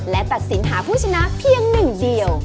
และตัดสินหาผู้ชนะเพียงหนึ่งเดียว